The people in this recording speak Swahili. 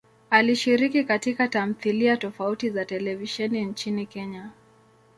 Alishiriki katika tamthilia tofauti za televisheni nchini Kenya.